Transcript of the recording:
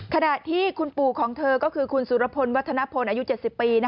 ขณะที่คุณปู่ของเธอก็คือคุณสุรพลวัฒนพลอายุ๗๐ปี